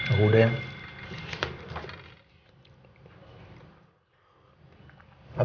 aku udah yang